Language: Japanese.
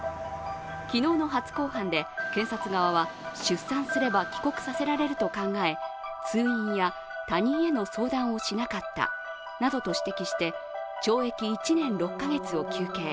昨日の初公判で検察側は出産すれば帰国させられると考え通院や他人への相談をしなかったなどと指摘して懲役１年６か月を求刑。